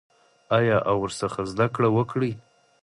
آیا او ورڅخه زده کړه وکړي؟